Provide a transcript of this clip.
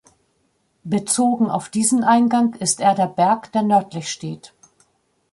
Bezogen auf diesen Eingang ist er der Berg, der nördlich steht.